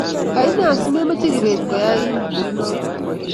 Kaine asimameche kibet koyain kunoto?